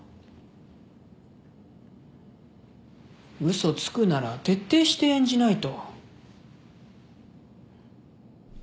嘘つくなら徹底して演じないと。